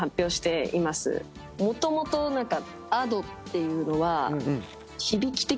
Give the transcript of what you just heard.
もともとＡｄｏっていうのは。